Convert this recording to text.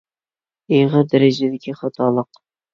ئېغىر دەرىجىدىكى خاتالىق.